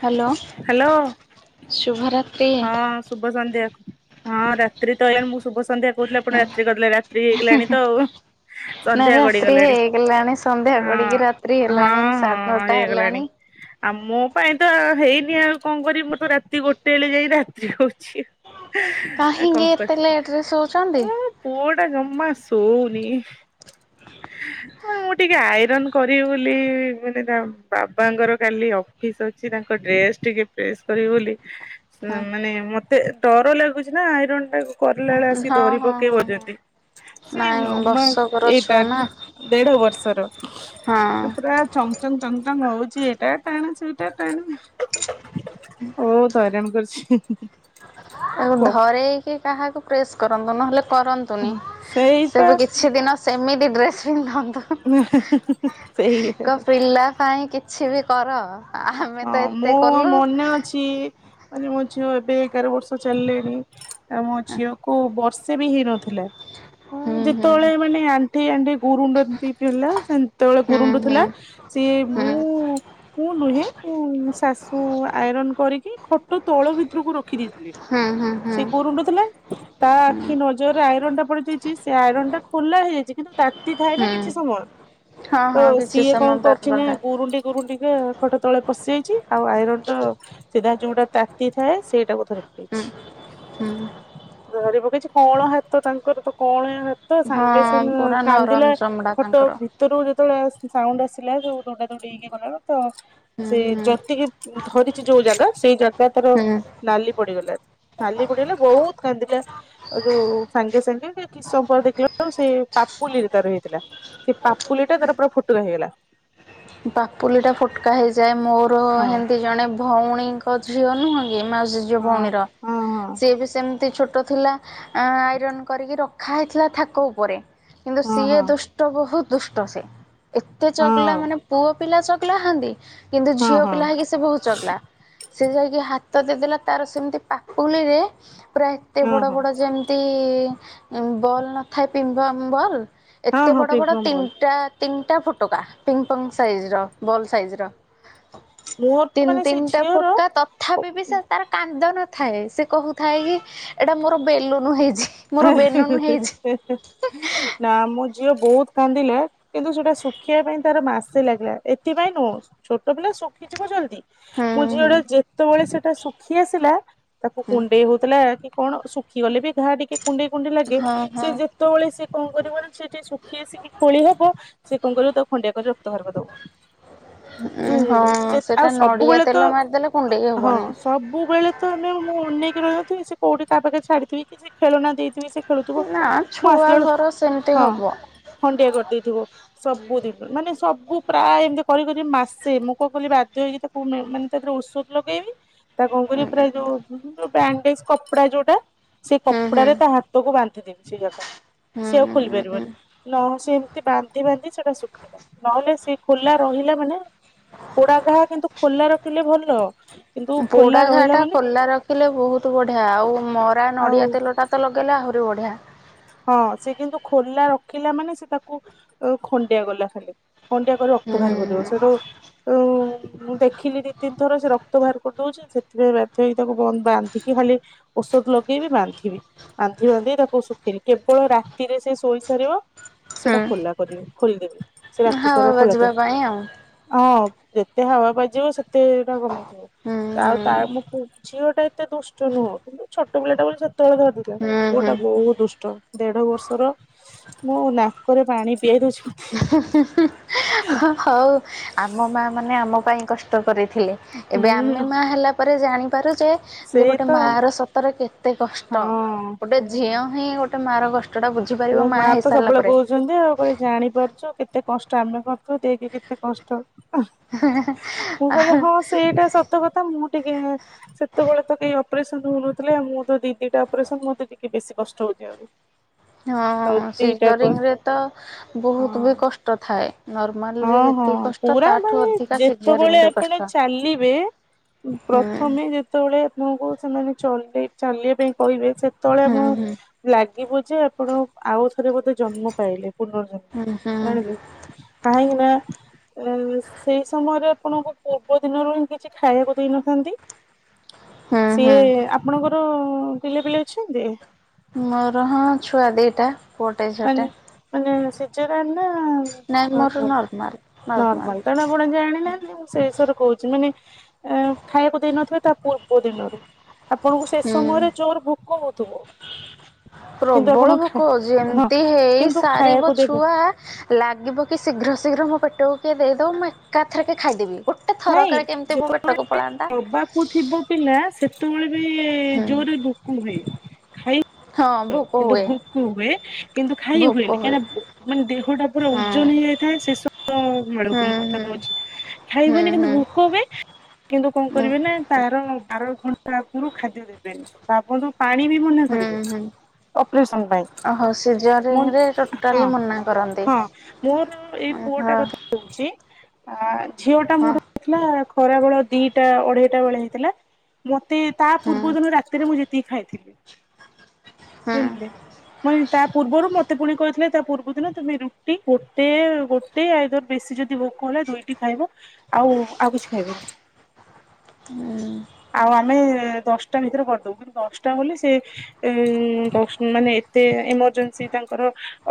Hello hello ଶୁଭରାତ୍ରୀ। ହଁ ଶୁଭ ସନ୍ଧ୍ୟା ହଁ ରାତ୍ରି ତ ଏଇଣେ ମୁଁ ଶୁଭ ସନ୍ଧ୍ୟା। କହୁଥିଲି ଆପଣ ରାତ୍ରି କହିଦେଲେ ରାତ୍ରି ହେଇଗଲାଣି ତ ଆଉ। ନା ସନ୍ଧ୍ୟା ଗଡି ରାତ୍ରି ଗଲାଣି ହେଇଗଲାଣି ସନ୍ଧ୍ୟା ହଁ ଗଡିକି ରାତ୍ରି ହଁ ହେଲାଣି ସାଢେ ହଁ ନଅଟା ହେଇଗଲାଣି। ହେଲାଣି। ଆଉ ମୋ ପାଇଁ ତ ହେଇନି ଆଉ କଣ କରିବି ମୁଁ ତ ରାତି ଗୋଟେ ହେଲେ ଯାଇ। ରାତ୍ରି ହଉଛି ଆ କାହିଁକି କଣ ଏତେ କରିବା ଲେଟ ରେ ଶୋଉଛନ୍ତି? ଆ। ପୁଅ ଟା ଜମା ଶୋଉନି ମାନେ ମୁଁ ଟିକେ ଆଇରନ୍। କରିବି ବୋଲି ମାନେ ତା ବାବାଙ୍କର କାଲି ଅଫିସ୍ ଅଛି ତାଙ୍କ ଡ୍ରେସ୍ ଟିକେ। ପ୍ରେସ୍ କରିବି ବୋଲି ହଁ ମାନେ ମତେ ଡର ଲାଗୁଛି ନା ଆଇରନ୍ ଟାକୁ। କରିଲା ବେଳେ ଆସି ହଁ ଧରି ହଁ ହଁ ପକେଇବ ଯଦି। ସେଇ ନାଇଁ ଯ ମା ବର୍ଷକର ଏଇଟା ଛୁଆ ନା ଦେଢ ବର୍ଷର ହଁ ପୁରା। ଚଙ୍ଗଚଙ୍ଗ ଚଙ୍ଗଚଙ୍ଗ ହଉଛି ଏଇଟା ଟାଣେ ସେଇଟା ଟାଣେ। ବହୁତ ହଇରାଣ କରୁଛି। ତାକୁ ଧରେଇକି କାହାକୁ ପ୍ରେସ୍ କରନ୍ତୁ ନହେଲେ କରନ୍ ନ୍ତୁନି ସେଇ ସେ ପା ବି କିଛି ଦିନ ସେମିତି ଡ୍ରେସ୍ ପିନ୍ଧନ୍ତୁ। ହୁଁ ହୁଁ ହୁଁ ହୁଁ କ ସେଇଆ। ପିଲା ପାଇଁ କିଛି ବି କର। ଆମେ ହଁ ତ ଏତେ ମୋ କଲୁ। ମନେ ଅଛି ମାନେ ମୋ ଝିଅ ଏବେ ଏଗାର ବର୍ଷ ଚାଲିଲାଣି। ଆ ମୋ ଝିଅକୁ ବର୍ଷେ ବି ହେଇନଥିଲା ଉଁ ହୁଁ ହୁଁ ଯେତେବେଳେ ମାନେ ଆ ଆଣ୍ଠେଇ ଆଣ୍ଠେଇ ଗୁରୁଣ୍ଡନ୍ତି ପିଲା ସେନ୍ତେ ବେଳେ ହୁଁ ଗୁରୁଣ୍ଡ ଥିଲା ହୁଁ ସିଏ ହୁଁ ମୁଁ। ମୁଁ ନୁହେଁ ମୁ ଶାଶୁ ଆଇରନ କରିକି ଖଟ ତଳ ଭିତରକୁ ରଖ ରଖି ଦେଇଥିଲେ ହୁଁ ହୁଁ ହୁଁ। ସେ ଗୁରୁଣ୍ଡୁ ଥିଲା ତା ଆଖି ନଜରରେ ଆଇରନ୍ ଟା ପଡିଯାଇଛି ସେ ଆଇରନ୍ ଟା ଖୋଲା ହେଇଯାଇଛି କିନ୍ତୁ। ତାତି ଥାଏ ନା ହୁଁ କିଛି ସମୟ ହଁ ତ ହଁ କିଛି ସିଏ ସମୟ କଣ କରିଛି ତାର ନା ରହେ ଗୁରୁଣ୍ଡି। ଗୁରୁଣ୍ଡି ‌କା ଖଟ ତଳେ‌। ପଶି ଯାଇଛି ଆଉ ଆଇରନ ଟା ‌ସିଧା ଯୋଉଟା ତାତି ଥାଏ ସେଇଟାକୁ ଧରି ହୁଁ ପକେଇଛି। ହୁଁ। ଧରି ପକେଇଛି କ‌ଁଅଳ ହାତ ତାଙ୍କର ତ କଁଅଳିଆ ହା ତ ସାଙ୍ଗେ ହଁ ସାଙ୍ଗେ ପୁରା କାନ୍ଦିଲା ନରମ ଚମଡା ଖଟ ତାଙ୍କର ଭି ଭତରୁ ଯେତେବେଳେ ସାଉଣ୍ଡ ଆସିଲା ସବୁ ଦୌଡ଼ା ଦୌଡି ହେଇକି ଗଲା ବେଳକୁ ତ ହୁଁ ସେ ହୁଁ ଯତିକି। ଧରିଛି ଯୋଉ ଜାଗା ସେଇ ଜାଗା ତାର ହୁଁ। ନାଲି ପଡିଗଲା ଣି। ନାଲି ପଡିଗଲା ବହୁତ କାନ୍ଦିଲା। ସୋଉଠୁ ସାଙ୍ଗେ ସାଙ୍ଗେ କିଛି ସମୟ ପରେ ଦେଖିଲା ବେଳକୁ ସେ ପାପୁଲିର ତାର ହେଇଥିଲା। ଏ ପାପୁଲି ଟା ତାର ପୁରା ଫୁଟୁକା ହେଇଗଲା। ପାପୁଲି ଟା ଫୋଟ୍ କା ହେଇଯାଏ, ମୋର ହଁ ହେମିତି ଜଣେ ଭୋଉଣୀଙ୍କ ଝିଅ ନୁହେଁ ଏ ମାଉସୀ ଝିଅ ହଁ ଭଉଣୀର, ସିଏ ବି ସେମ୍ତି ଛୋଟ ଥିଲା ଆଇରନ୍ କରିକି ର ଖା ହେଇଥିଲା ଥାକ ଉପରେ କିନ୍ତୁ ହଁ ହଁ ସିଏ ହଁ ଦୁଷ୍ଟ ବୋହୁତ୍ ଦୁଷ୍ଟ ସେ। ଏତେ ଚଗ୍ଲା ହଁ ମାନେ ପୁଅ ପିଲା ଚଗଲା ହୁଅନ୍ତି କିନ୍ତୁ ହଁ ଝିଅ ହଁ ହଁ ପିଲା ହେଇକି ସେ ବହୁତ ଚଗ୍ଲା। ସେ ଯାଇକି ହାତ ଦେଇଦେଲା ତାର ସେମତି ପାପୁଲିରେ ପୁରା ଏତେ ହଁ ବଡ ହଁ ବଡ ଯେମ୍ ତି ବଲ୍ ନଥାଏ ପିମ୍ ପମ ବଲ୍ ହଁ ଏତେ ହଁ ବଡ଼ ବଡ଼ ପ୍ରିଙ୍ଗମ୍ ବଲ୍ ତିନ୍ଟା ତିନ୍ଟା ଫୋଟକା ପିମ୍ ପମ୍ ସାଇଜ୍ ର ବଲ୍ ସାଇଜ୍ ର। ମୋର ତିନି ମାନେ ସେ ତିନିଟା ଝିଅର ଫୁଟକା ତଥାପି ବି ସେ ତାର କାନ୍ଦ ନଥାଏ ସେ କହୁଥାଏ କି ଏଟା ମୋର ବେଲୁନୁ ହେଇଛି। ମୋର ବେଲୁନୁ ହେଇଛି ନା ମୁ ଝିଅ ବୋହୁତ୍ କାନ୍ଦିଲା କିନ୍ତୁ ସେଟା ଶୁଖିବା ପାଇଁ ତାର ମାସେ ଲାଗିଲା ଏଥିପାଇଁ ନୁହଁ। ଛୋଟ ପିଲା ଶୁଖିଯିବ ଜଲ୍ଦି ମୋ ହୁଁ ହୁଁ ଝିଅଟା ଯେତେବେଳେ ସେଟା ଶୁଖି ଆସିଲା ତାକୁ ହୁଁ। କୁଣ୍ଡେଇ ହୋଉଥିଲା କି କଣ ଶୁଖିଗଲେ ବି ଘା ଟିକେ କୁଣ୍ଡେଇ କୁଣ୍ଡେଇ ଲାଗେ ହଁ ସେ ହଁ ଯେ ଯେତେବେଳେ ସିଏ କଁ କରିବ ସେଇଟି ଶୁଖି ସେ କୋଳି ହବ ସେ କଁ କରିବ ତାକୁ ଖଣ୍ଡିଆ କରି ରକ୍ତ ବାହାର କରିଦବ। ହଁ ଆଉ ସେଟା ନଡ଼ିଆ ସବୁବେଳେ ତେଲ ତ ମାରିଦେଲେ କୁଣ୍ଡେଇ ହଁ ହବନି। ସବୁବେଳେ। ତ ଆମେ ମୁଁ ଅନେଇକି ରହିନଥିବି ସେ କୋଉଠି କାହାପାଖରେ ଛାଡିଥିବି କି ସେ ଖେଳନା ଦେଇଥିବି ସେ ଖେଳୁଥିବ ନା ମୁଁ ଛୁଆ ଆସିଲା ବେଳୁ ଘର ସେମିତି ହଁ ହବ ହଣ୍ଡିଆ କରିଦେଇଥିବ। ସବୁଦିନରୁ ମାନେ ସବୁ ପ୍ରାୟ ଏମିତି କରି କରି ମାସେ ମୁଁ କଁ କଲି ବାଧ୍ୟ ହେଇକି ତା ମାନେ ତାରେ ଔଷଧ ଲଗେଇବି। ତା କଁ କରି ହୁଁ ପୁରା ଯୋଉ ବ୍ୟାଣ୍ଡେଜ୍ କପଡା ଯୋଉଟା ସେ କ ହୁଁ। ହୁଁ। ହାତକୁ ବାନ୍ଧିଦେବି ସେଇ ଜାଗା। ସେ ଆଉ ଖୋଲି ହୁଁ ପାରିବନି ନହ ସେ ଏମିତି ବାନ୍ଧି ବାନ୍ଧି ସେଟା ଶୁ ନହେଲେ ସିଏ ଖୋଲା ରହିଲା ମାନେ ପୋଡା ଘାଆ କିନ୍ତୁ ଖୋଲା ରଖିଲେ ଭଲ। କିନ୍ତୁ ଖୋଲା ବୋଡ଼ା ରହିଲା ଘାଆଟା ମାନେ ଖୋଲା ର ଖିଲେ ବୋହୁତ୍ ବଢ଼ିଆ ଆଉ ମରା ଆଉ ନଡ଼ିଆ ତେଲଟା ତ ଲଗେଇଲେ ଆହୁରି ବଢ଼ିଆ। ହଁ ସେ କିନ୍ତୁ ଖୋଲା ରଖିଲା ମାନେ ସେ ତାକୁ ଖଣ୍ଡିଆ ଗଲା ଖଣ୍ଡିଆ ରକ୍ତ ହୁଁ ବାହାର କରିବ ସେଇଟୁ ଉଁ ମୁଁ ଦେଖିଲି ଦି ତିନିଥର ସେ ରକ୍ତ ବାହାର କରିଦୋଉଚି ସେଥିପାଇଁ ବାଧ୍ୟ ହେଇକି ତାକୁ ବାନ୍ଧିକି ଖାଲି ଔଷଧ ଲଗେଇବି ବାନ୍ଧିବି ବାନ୍ଧି ବାନ୍ଧି ତାକୁ ସୁ କେବଳ ରାତିରେ ସେ ଶୋଇ ସାରିବ ସେଟା ଖୋଲା ହୁଁ କରିବି ଖୋଲିଦେବି। ସେ ହାୱା ରାତିସାରା ଖୋଲା ଥାଉ ବାଜିବା ପାଇଁ ଆଉ ହଁ ଯେତେ ହାୱା ବାଜିବ ସେ ତେ ଏଟା କମିଯିବ ହୁଁ ଆଉ ହୁଁ। ତା ମୁଁ ଝିଅ ଟା ଏତେ ଦୁଷ୍ କଁ ନୁହଁ ଛୋଟ ପିଲାଟା ବୋଲି ସେତେବେଳେ ଧରିବେ ହୁଁ ପୁଅଟାଟା ହୁଁ। ବୋହୁତ୍ ଦୁ କଁ ଦେଢ ବର୍ଷର ମୋଁ ନାକରେ ପାଣି ପିଆଇ ଦେଉଚି। ହୋଉ ଆମ ମା ମାନେ ଆମ ପାଇଁ କଷ୍ଟ କରିଥିଲେ। ଏବେ ଆମେ ହୁଁ। ମା ହେଲା ପରେ ଜାଣିପାରୁ ଯେ ଯେ ସେଇ ଗୋଟେ ତ ମାଆର ସତରେ କେତେ କଷ୍ଟ ହଁ। ଗୋଟେ ଝିଅ ହିଁ ଗୋଟେ ମାଆର କଷ୍ଟଟା ମୋ ବୁଝିପାରିବ ମା ମାଆ ତ ହେଇସାରିଲା ସବୁବେଳେ ପରେ। ଆଉ ଜାଣିପାରୁଚୁ କେତେ କଷ୍ଟ ଆମେ କଁ ଦେଇକି କେତେ କଷ୍ଟ, ମୁଁ କହିଲି ହଁ ସେଇଟା ସ ତ କଥା ମୁଁ ଟିକେ ସେତେବେଳେ ତ କେହି ଅପରେସନ୍ ହୋଉନଥିଲା ଆଉ ମୁଁ ତ ଦି ଦିଟା ଅପରେସନ୍ ମୋତେ ଟିକେ ବେଶୀ କଷ୍ଟ ହୋଉଚି ଆଉ। ହଁ ଦିଟା କ ସିଜରିଂରେ ତ ହଁ ବୋହୁତୁ ବି କଷ୍ଟ ଥାଏ। ନର୍ମାଲରେ ହଁ ହଁ ଯେତିକି କଷ୍ଟ ପୁରା ତାଠୁ ମାନେ ଅଧିକା ସିଜରିଂ ଯେତବେଳେ ରେ କଷ୍ଟ। ଆପଣ ଚାଲିବେ ହୁଁ ପ୍ରଥମେ ଯେତବେଳେ ଆପଣଙ୍କୁ ସେମାନେ ଚଲେଇ ଚାଲିବା ପାଇଁ କହିବେ ସେ ତଳେ ହୁଁ ଆମ ହୁଁ ଲାଗିବ ଯେ ଆପଣ ଆଉଥରେ ବୋଧେ ଜନ୍ମ ପାଇଲେ ପୁନର୍ ହୁଁ ହୁଁ କାହିଁକି ନା ଏ ସେଇ ସମୟରେ ଆପଣଙ୍କୁ ପୂର୍ବ ଦିନରୁ ହିଁ କିଛି ଖାଇବାକୁ ଦେଇନଥାନ୍ତି। ହୁଁ ହୁଁ। ସିଏ ଆପଣଙ୍କର ପିଲା ପିଲି ଅଛନ୍ତି? ମୋର ହଁ ଛୁଆ ଦିଟା ପୁଅଟେ ମାନେ ଝିଅଟେ। ମାନେ ସିଜରାନ ନା। ନର୍ମାଲ ନର୍ମାଲ ତେଣୁ ଆପଣ ଜାଣି ନାହାନ୍ତି ସେ ବିଷୟରେ କହୁଛି ମାନେ ଆଁ ଖାଇବାକୁ ଦେଇନଥିବେ ତା ପୂର୍ବ ଦିନରୁ। ଆପଣଙ୍କୁ ସେ ହୁଁ ସମୟରେ ଜୋର ଭୋକ ହଉଥିବ କିନ୍ତୁ ଆପଣ ଖା ହଁ ଯେମିତି ହେଇ କିନ୍ତୁ ସାରିବ ଖାଇବାକୁ ଦେବେ ଛୁଆ। ଲାଗିବ କି ଶୀଘ୍ର ଶୀଘ୍ର ମୋ ପେଟକୁ କିଏ ଦେଇଦେବ ମୁଁ ଏକାଥେରେକ ଖାଇଦେବି ଗୋ ଟେ ଥରକରେ କେମିତି ମୋ ପେଟକୁ ପଳାନ୍ତା। ଉ ଥିବ ପିଲା ସେତେବେଳେ ବି ହୁଁ ଜୋରରେ ଭୋକ ହୁଏ ଖାଇ। ହଁ ଭୋକ କିନ୍ତୁ ହୁଏ ଭୋକ ହୁଏ କିନ୍ତୁ ଖାଇ ଭୋକ ହୁଏନି କାହିଁ ହୁଏ ନା ମାନେ ଦେହ ଟା ପୁରା ହୁଁ ଉଜନ ହେଇଯାଇଥାଏ ସେସବ ବେଳକୁ ମୁଁ କଥା ହୁଁ କହୁଛି। ହୁଁ ହେବନି କିନ୍ତୁ ହୁଁ ଭୋକ ହୁଏ କିନ୍ତୁ କଣ ହୁଁ ହୁଁ କରିବେ ପାଁ ତାର ବାର ଘଣ୍ଟା ଆଗୁରୁ ଖାଦ୍ୟ ଦେବେନି ତ ଆପଣୁ ପାଣି ବି ମନା ହୁଁ କରିବେ। ହୁଁ ଅପରେସନ ପାଇଁ ଓହୋ ମୁଁ ସିଜରିଙ୍ଗରେ ଟୋଟାଲି ହଁ ମନା କରନ୍ତି ହଁ। ମୋର ଏଇ ହଁ ପୁଅଟା ହଁ କଥା କହୁଛି ଆ ଝିଅ ଟା ହଁ ମୋର। ଥିଲା ଖରାବେଳ ଦିଟା ଅଢେଇଟା ବେଳେ ହେଇଥିଲା। ମତେ ତା ହୁଁ ପୂର୍ବ ଦିନ ରାତିରେ ମୁଁ ଯେତିକି ଖାଇଥିଲି ହୁଁ ଜାଣିଲେ। [unintelligible] ତା ପୂର୍ବରୁ ମତେ ପୁଣି କହିଥିଲେ ତା ପୂର୍ବ ଦିନ ତମେ ରୁଟି ଗୋଟେ ଗୋ ଟେ ଆଇଦର ବେଶୀ ଯଦି ଭୋକ ହେଲା ଦୁଇଟି ଖାଇବ ଆଉ ଆଉ କିଛି ଖାଇବନି। ହୁଁ। ଆଉ ଆମେ ଦଶଟା ଭିତରେ କରିଦବୁ କିନ୍ତୁ ଦଶଟା ବୋଲି ସେ। ଏ ନ ଦଶ ଉଁ ମାନେ ଏତେ ଏମର୍ଜନ୍ସି ତାଙ୍କର।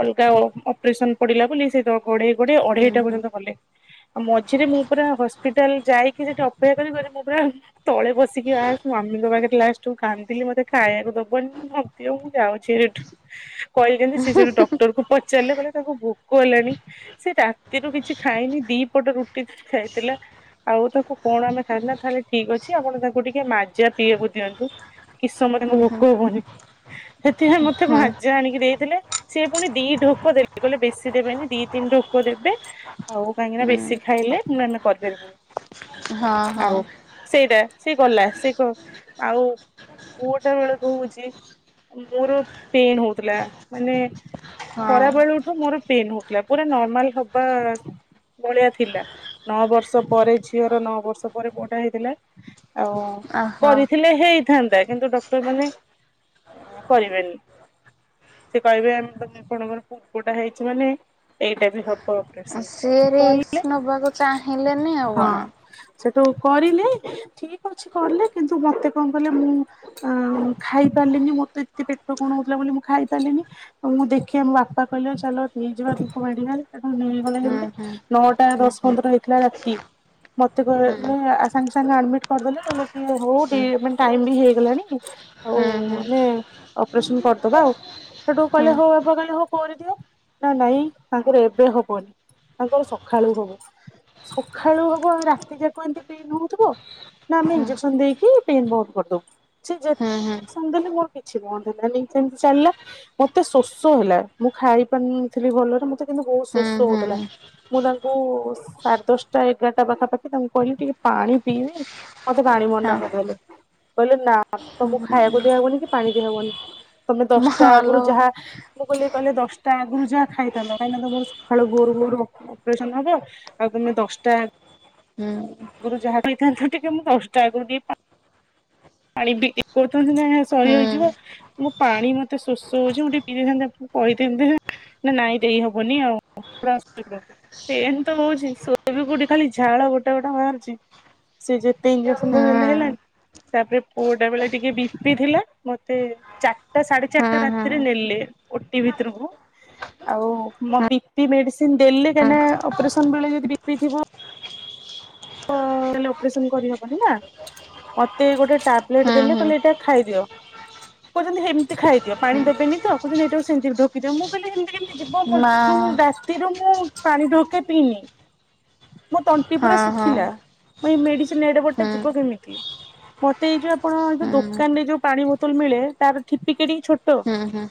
ଅଲଗା ଅ-ଅପରେସନ ପଡିଲା ବୋଲି ସେ ତ ଗୋଡେଇ ଗୋଡେଇ ହୁଁ ଅଢେଇଟା ହୁଁ ପର୍ଯ୍ୟନ୍ତ କଲେ ଆ ମୋ ମଝିରେ ମୁଁ ପୁରା ହସ୍ପିଟାଲ ଯାଇକି ସେଠି ଅପେକ୍ଷା କରି କରି ମୁଁ ପୁରା। ତଳେ ବସିକି ଆସ ମାମିଙ୍କ ପାଖରେ ଲାଷ୍ଟ କୁ କାନ୍ଦିଲି ମତେ ଖାଇବାକୁ ଦବନି ନ ଦିଅ ମୁଁ ଯାଉଛି ଏଠୁ। କହିଲି ଯେମିତି ସିଏ ସେଇଠୁ ଡକ୍ଟରକୁ। ପଚାରିଲେ କହିଲେ ତାକୁ ଭୋକ ହେଲାଣି ସେ ରାତିରୁ କିଛି ଖାଇନି ଦି ପଟ ରୁ ଟି ଖାଇଥିଲା। ଆଉ ତାକୁ କଣ ଆମେ ଖାଇଲୁ ନା ତାହେଲେ ଠିକ ଅଛି ଆପଣ ତାକୁ ଟିକେ ମାଜା ପିଇବାକୁ ଦିଅନ୍ତୁ। କି ସମୟ ତାଙ୍କୁ ହୁଁ ହୁଁ ହୁଁ ଭୋକ ହବନି ସେଥିପାଇଁ ମତେ ମାଜା ଆଣିକି ଦେଇଥିଲେ। ସିଏ ପୁଣି ଦି ଢୋକ ଦେଲେ କହିଲେ ବେଶୀ ଦେବେନି ଦି ତିନି ଢୋକ ଦେବେ ଆଉ କାହିଁକି ନା ବେଶୀ। ଖାଇଲେ ମେ ମେ କରିପାରିବୁନି ହଁ ଆଉ। ହଁ ସେଇଟା ସିଏ ଗଲା ସେ କ ଆଉ ପୁଅଟା ବେଳକୁ ହଉଛି। ମୋର ପେନ୍ ହଉଥିଲା ମାନେ। ଖରା ହଁ ବେଳୁଠୁ ମୋର ପେନ ହଉଥିଲା ପୁରା ନର୍ମାଲ ହବା ଭଳିଆ। ଥିଲା ନଅ ବର୍ଷ ପରେ ଝିଅର ନଅ ବର୍ଷ ପରେ ପୁଅଟା ହେଇଥିଲା। ଆଉ ଓହୋ କରିଥିଲେ ହେଇଥାନ୍ତା କିନ୍ତୁ ଡକ୍ଟର ମାନେ ଅଁ କରିବେନି। ସେ କହିବେ ତମ ଆପଣଙ୍କର ପୂର୍ବଟା ହେଇଛି ମାନେ ଏଇଟା ବି ହ ଉଁ ସିଏ ରିକ୍ସ ନବାକୁ ଚାହିଁଲେନି ଆଉ ହଁ କଣ। ସେଠୁ କରିଲେ ଠିକ ଅଛି କଲେ କିନ୍ତୁ ମତେ କଣ କଲେ ମୁଁ। ଆ ମ ଖାଇ ପାରିଲିନି ମୋତେ ଏତେ ପେଟ କଣ ହଉଥିଲା ବୋଲି ମୁଁ ଖାଇ ପାରିଲିନି। ଆଉ ମୁଁ ଦେଖିଆ ମୋ ବାପା କହିଲେ ଚାଲ ନେଇଯିବା ତାକୁ ମେଡିକାଲ ତାକୁ ନେଇଗଲେ ହୁଁ ଯେମିତି। ହୁଁ ନଅଟା ଦଶ ହୁଁ ପନ୍ଦର ହେଇଥିଲା ରାତି। ମୋତେ ହୁଁ ହୁଁ କହିଲେ ଆ ସାଙ୍ଗେ ସାଙ୍ଗେ ଆଡ଼ମିଟ କରିଦେଲେ କହିଲେ କି ଓହୋ ହୁଁ ଡି ହୁଁ ମାନେ ଟାଇମ ବି ହେଇଗଲାଣି। ଆଉ ହୁଁ ହୁଁ ମାନେ ହୁଁ। ଅପରେସନ କରିଦବା ଆଉ। ସେଠୁ କହିଲେ ହଉ ବାପା କହିଲେ ହଉ କରିଦିଅ ନା ନାଇଁ ତାଙ୍କର ଏବେ ହବନି। ତାଙ୍କର ସଖାଳୁ ହବ ସଖାଳୁ ହବ ରାତି ଯାକ ଏମିତି ପେନ୍ ହଉଥିବ। ନା ଆମେ ହୁଁ ଇଞ୍ଜେକ୍ସନ ଦେଇକି ପେନ ବନ୍ଦ କରିଦବୁ ସେ ହୁଁ ଯେତେ। ହୁଁ ଇଞ୍ଜେକ୍ସନ ଦେଲେ ମୋର କିଛି ବନ୍ଦ ହେଲାନି ସେମିତି ଚାଲିଲା। ମତେ ଶୋଷ ହେଲା ମୁଁ ଖାଇପାରୁନଥିଲି ଭଲରେ ମତେ କିନ୍ତୁ ବହୁତ ହୁଁ ହଁ ହ୍ୟାଲୋ। ହୁଁ ହୁଁ ହୁଁ ହୁଁ ହୁଁ। ଶୋଷ ହୁଁ ହୁଁ ହୁଁ ହଉଥିଲା। ମୁଁ ତାଙ୍କୁ ସାଢେ ଦଶଟା ଏଗାରଟା ପାଖାପାଖି ତାଙ୍କୁ କହିଲି ଟିକେ ପାଣି ପିଇବି। ମତେ ପାଣି ମନା କରିଦେଲେ କହିଲେ ନା ତମକୁ ଖାଇବାକୁ ହୁଁ ଦିଆହବନି କି ପାଣି ଦିଆହବନି। ତମେ ମା ଦଶଟା ହଁ ଆଗରୁ ହଁ ଯାହା ମୁଁ କହିଲି କହିଲେ ଦଶଟା ଆଗରୁ ଯାହା ଖାଇଥାନ୍ତ କାହିଁକି ନା ତମର ସକାଳୁ ଭୋରୁ ଭୋରୁ ପ୍ରେ ସନ୍ ହବ ଆଉ ତମେ ଦଶଟା ହୁଁ। ଗୁରୁ ଯାହା କହିଥାନ୍ତ ଟିକେ ମୁଁ ଦଶଟା ଆଗରୁ ଟିକେ ପା ପାଣି ବିକି କହୁଚନ୍ତି ନା ସହି ହୁଁ ହେଇଯିବ। ମୁଁ ପାଣି ମତେ ଶୋଷ ହଉଚି ମୁଁ ଟିକେ ପିଇଦେଇଥାନ୍ତି ଆପଣଙ୍କୁ। [unintelligible] ନା ନାଇଁ ଦେଇ ହବନି ଆଉ ପୁରା ଶୋଇବାକୁ। ଏଇଆ ହିତ ହଉଚି ସୋଇବିକୋଉଠି ଖାଲି ଝାଳ ଗୋଟା ଗୋଟା ବାହାରୁଛି। ସେ ଯେତେ ଇନ୍‌ଜେକ୍ସନ ତ ଦେଲେ ହେଲାନି। ତାପରେ ପୁଅଟା ବେଳେ ଟିକେ ବି ପି ଥିଲା ମତେ। ଚାରିଟା ସାଢେ ଚାରିଟା ହୁଁ ରାତିରେ ନେଲେ ଓଟି ଭିତୁରୁକୁ। ଆଉ ମୋ ବି ପି ମେଡିସିନ ଦେଲେ କାଇହିଁକିନା ଅପରେସନ ବେଳେ ଯଦି ବି ପି ଥିବ। ନହଲେ ଅପ୍ରେସନକରିହବନି ନା ମତେ ଗୋଟେ ଟାବଲେଟ ଦେଲେ କହିଲେ ଏଇଟା ଖାଇଦିଅ। କହୁଛନ୍ତି ହେମିତି ଖାଇଦିଅ ପାଣି ଦେବେନି ତ କହୁଛନ୍ତି ଏଇଟାକୁ ସେମିତି ଢେକ କି ଦିଅ ମୁଁ କହିଲି ହେମିତି କେମିତି ଯିବ ମୁଁ ରାତିରୁ ମୁଁ ପାଣି ଢ଼ୋକେ ପିଇନି। ମୋ ତଣ୍ଟି ପୁରା ଶୁଖିଲା ମୁଁ ଏଇ ମେଡିସିନ ଏଡେ ବଡଟେ ଯିବ କେମିତି। ମତେଇ ଯୋଉ ଆପଣଉ ଦୋକାନରେ ଯୋଉ ପାଣି ବୋତଲ ମିଳେ ତାରଠିପି କେଡ଼ିକି ଛୋଟ ଟୋ ହୁଁ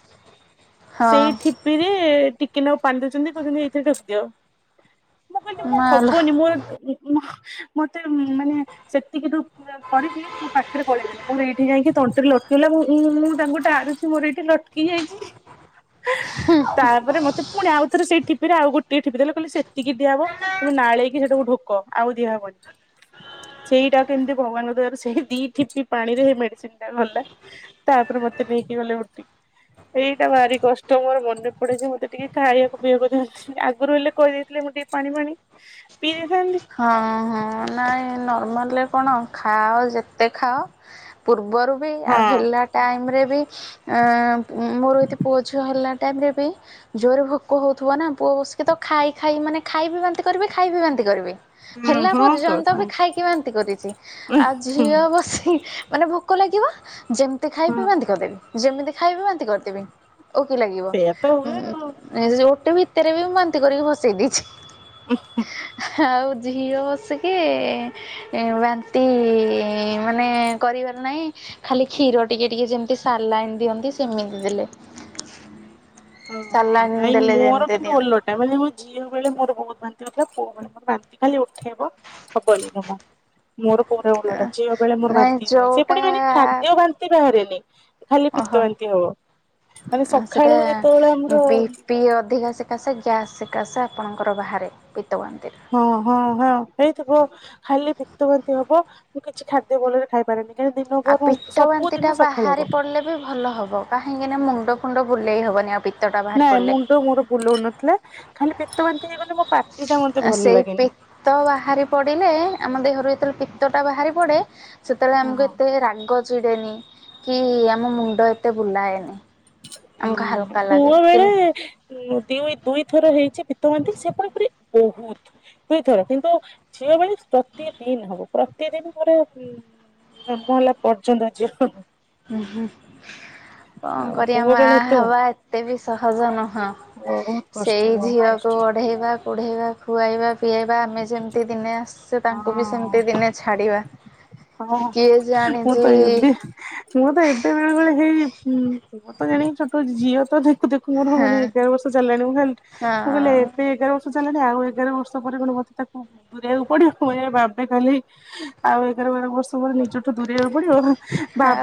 ହଁ ସେଇଠି ପିରେ ଟିକେ ନାକୁ ପାଣି ଦଉଚନ୍ତି କହୁଛନ୍ତି ଏଇଥିରେ ଢ଼ୋକି ଦିଅ। ମୁଁ କହିଲି ମୁଁ ମାଲୋ ହବନି ମୋର ମୋ ମତେ ମାନେ ସେତିକି ରୁ କରିକି ମୁଁ ପାଟିରେ ଗଳେଇେଲି ମୋର ଏଇଠି ଯାଇକି ତଣ୍ଟିରେ ଲଟିଗଲା ମୁଁ ଉଁ ଉଁ ତାଙ୍କୁ ଟାଣୁଚି ମୋର ଏଇଠି ଲଟ୍ କି ଯାଇଚି। ତାପ ରେ ମତେ ପୁଣି ଆଉ ଥରେ ସେ ଠିପିରେ ଆଉ ଗୋଟିଏ ଠିପି ଦେଲେ କହିଲେ ସେତିକି ଦିଆହବ। ତମେ ନାଳେଇକି ସେଟାକୁ ଢୋକ ଆଉ ଦିଆ ହବନି। ସେଇଟା କେମିତି ଭଗବାନଙ୍କ ଦୟାରୁ ସେଇ ଦିଇ ଠିପି ପାଣି ରେ ହେଇ ମେଡିସିନ ଟା ଗଲା। ତାପରେ ମତେ ନେଇକି ଗଲେ ଓଟିକି। ହେଇଟା ଭାରି କଷ୍ଟ ମୋର ମନେ ପଡେ ଯେ ମତେ ଟିକେ ଖାଇବାକୁ ପିଇବାକୁ ଦେଲେନି ଆଗରୁ ହେଲେ କହିଦେଇଥିଲେ ମୁଁ ଟିକେ ପାଣି ପାଣି ପିଇ ଦେଇଥାନ୍ତି। ହଁ, ହଁ, ନାଇଁ ନର୍ମାଲେ। କଣ ଖାଅ ଯେତେ ଖାଅ ପୂର୍ବରୁ ବି ଆଉ ହଁ। ହେଲା ଟାଇମରେ ବି। ଆଁ ମୋର ଏତେ ପୁଅ ଝିଅ ହେଲା ଟାଇମ ରେ ବି ଜୋରେ ଭୋକ ହଉଥିବ ନା ପୁଅ ବଷକେ ତ ଖାଇ ଖାଇ ମାନେ ଖାଇବି ବାନ୍ତି କରିବେ ଖାଇବି ବାନ୍ତି କରିବେ। ହୁଁ ହେଲା ହଁ ତ ପର୍ଯ୍ୟନ୍ତ ସେ ବି ଖାଇକି ବାନ୍ତି କରିଚି ଆଉ ହୁଁ ଝିଅ ବସି ମାନେ ଭୁ କ ଲାଗିବ ଯେମିତି ହଁ ଖାଇବି ବାନ୍ତିକରିଦେବି ଯେମିତି ଖାଇବି ବାନ୍ତିକରିଦେବି। ଓ କି ଲାଗିବ ସେଇଆ ତ ହୁଏ ଆଉ। ଓଟି ଭିତରେ ବି ମୁ ବାନ୍ତି କରିକି ଭସେଇ ଦେଇଛି। [inaudible] ଆଉ ଝିଅ ବସିକି ଏ ବାନ୍ତି ମାନେ କରିବାର ନାହିଁ। ଖାଲି କ୍ଷୀର ଟିକେ ଟିକେ ଯେମିତି ସାଲାଇନ୍‌ଦିଅନ୍ତି ସେମିତି ଦେଲେ। ଓହୋ ସାଲାଇନ୍ ନାଇଁ ଦେଲେ ମୋର ଯେମିତି କିନ୍ତୁ ଦିଅନ୍ତି ଓଲଟା। ନାଇଁ ମାନେ ମୋ ଝିଅ ବେଳେ ମୋର ବହୁତ ବାନ୍ତି ହୋଉଥିଲା ପୁଅ ବଳେ ମୋର ବାନ୍ତି ଖାଲି ଉଠେଇବ। ହବନି ଜମା। ମୋର ପୁରରା ଓଲଟା ଝିଅ ବେଳେ ମୋର ନାଇଁ ବାନ୍ତି ହୁଏ ସେ ଯୋଉଟା ପୁଣି ମାନେ ଖାଦ୍ୟ ବାନ୍ତି ବାହରେନି। ଖାଲି ଓହୋ ପିତବାନ୍ତିହବ ମାନେ ସେଟା ସଖାଳୁ ବି ପି ଅଧିକା ସେକାଶ ଗ୍ୟାସ୍ ସେକାଶ ଆପଣଙ୍କର ବାହାରେ ପିତବାନ୍ତି ଟା। ହଁ ହଁ ହଁ ହେଇଥିବ ଖାଲି ପିତ୍ ବାନ୍ତି ହବ ମୁଁ କିଛି ଖାଦ୍ୟ ଭଲରେ ଖାଇପାରିନି। ଏଦିନ ଆଉ ପରୁ ପିତ୍ତ ସବୁ ବାନ୍ତିଟା ଦିନ ସଖାଳେ ବାହାରି ହବ। ପଡ଼ିଲେ ବି ଭଲ ହବ କାହିଁକିନା ମୁଣ୍ଡ ଫୁଣ୍ଡ ବୁଲେଇ ହବ ନିହାତି ନା ମୁଣ୍ଡ ମୋର ବୁଲଉ ନଥିଲା ଖାଲି ପିତ ବାନ୍ତି ହେଇଗଲେ ମୋ ପା ସେଇ ପିତ୍ତ ବାହାରି ପଡ଼ିଲେ ଆମ ଦେହରୁ ଏତରେ ପିତ୍ତଟା ବାହାରି ପଡ଼େ ସେତେବେଳେ ଆମକୁ ହଁ ଏତେ ରାଗ ଚିଡେନି କି ଆମ ମୁଣ୍ଡ ଏତେ ବୁଲାଏନି। ଆମକୁ ହୁଁ ହାଲକା ଲାଗେ ପୁଅ ବେଳେ କିନ୍ତୁ ଦି ଦି ଦୁଇ ଥର ହେଇଛି ପିତ୍ତବାନ୍ତି ସେତାପରି ବହୁତ। ଦିଇଥର କିନ୍ତୁ ଛିଅ ବଳେ ପ୍ରତିଦିନ ହବ ପ୍ରତିଦିନ ପରେ ହୁଁ ନ କମୀଲା ପର୍ଯ୍ୟନ୍ତ ଜୀଅ ହୁଁ ହୁଁ ହୁଁ ଅ ଆଉ କରିବା ପୁଅ ମା ବେଳେ ଏତେ ହେବା ଏତେ ବି ସହଜ ନୁହଁ। ବହୁତ କଷ୍ଟ ସେଇ ବହୁତ ଝିଅକୁ କଷ୍ଟ। ଅଢେଇବା ପଢ଼େଇବା, ଖୁଆଇବା, ପିଏବା ଆମେ ଯେମତି ଦିନେ ଆସ ସେ ତାଙ୍କୁ ବି ହଁ ସେମତି ଦିନେ ଛାଡିବା, ହଁ କିଏ ମୁଁ ତ ଜାଣିଚି ଏବେ ମୁଁ ତ ଏବେ ବେଳେ ବେଳେ ହେଇ ପୁଅ ତ ଜାଣିକି ଛୋଟ ଝିଅ ତ ଦେ ଦେଖୁଁ ମୋର ହଁ [unintelligible] ଏଗାର ବର୍ଷ ଚାଲିଲାଣି, ମୁ ଖାଲି ହଁ ମୁଁ କଲି ଏବେ ଆଉ ଏଗାରବର୍ଷ ପଚାଲାଣି ଆଉ ଏଗାର ବର୍ଷ ପରେ କଣ ମୋତେ ତାକୁ ଦୂରାଇଆକୁ ପଡ଼ିଅ ମୁଁ ଏ ବାଧେ କଲି ଆଉ ଏଗାର ବେଳେ ବର୍ଷ ପରେ ନିଜଠୁ ଦୂରେଇବା ପଡିବ ବା